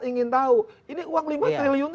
ingin tahu ini uang lima triliun